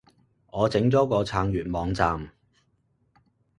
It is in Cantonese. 我整咗個撐粵網站